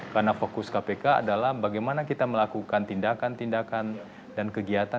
karena fokus kpk adalah bagaimana kita melakukan tindakan tindakan dan kegiatan kegiatan